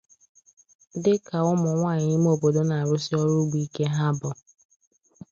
dịka ụmụnwaanyị ime obodo na-arụsi ọrụ ugbo ike ha bụ.